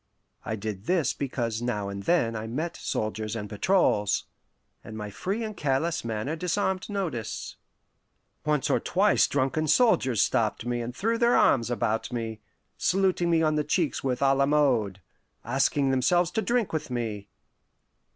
I did this because now and then I met soldiers and patrols, and my free and careless manner disarmed notice. Once or twice drunken soldiers stopped me and threw their arms about me, saluting me on the cheeks a la mode, asking themselves to drink with me.